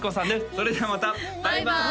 それではまたバイバーイ！